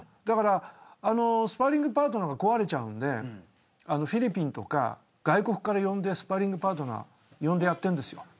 だからスパーリングパートナーが壊れちゃうんでフィリピンとか外国から呼んでスパーリングパートナー呼んでやってんですよ。